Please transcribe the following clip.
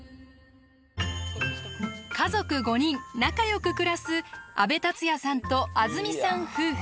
家族５人仲良く暮らす安部達也さんとあづみさん夫婦。